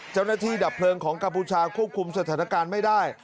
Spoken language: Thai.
เจ้าหน้าที่ดับเพลิงของกาพูชาควบคุมสถานการณ์ไม่ได้